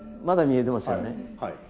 まだ見えてませんね。